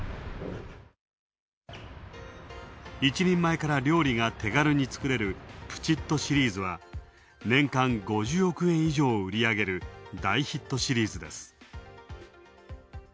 １人前から料理が手軽に作れるプチッとシリーズは、年間５０億円以上を売り上げる大ヒットシリーズです。